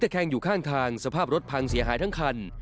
แคงอยู่ข้างทางสภาพรถพังเสียหายทั้งคัน